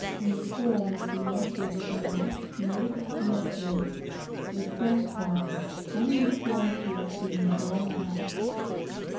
— In the ferm of the meshes of a net; made of net ; work, RrrRAOTiiJE. — Having the quality of being drawn back.